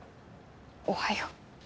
おはよう。